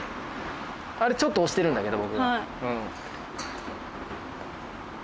あれちょっと押してるんだけど僕が。